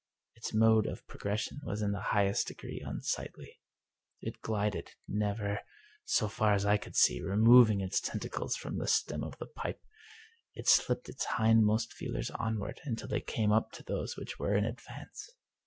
Its mode of progression was in the highest degree unsightly. It glided, never, so far as I could see, removing its tentacles from the stem of the pipe. It slipped its hind most feelers onward until they came up to those which were in advance.